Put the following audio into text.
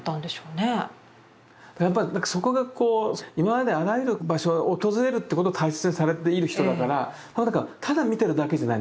やっぱり何かそこがこう今まであらゆる場所を訪れるってことを大切にされている人だからただ見てるだけじゃないんです。